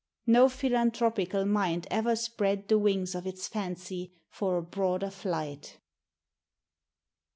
No philanthropical mind ever spread the wings of its fancy for a broader flight.